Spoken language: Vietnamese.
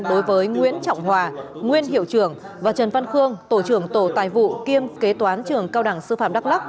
đối với nguyễn trọng hòa nguyên hiệu trưởng và trần văn khương tổ trưởng tổ tài vụ kiêm kế toán trường cao đẳng sư phạm đắk lắc